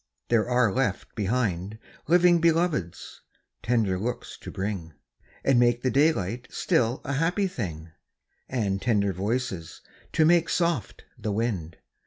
there are left behind Living Beloveds, tender looks to bring, And make the daylight still a happy thing, And tender voices, to make soft the wind.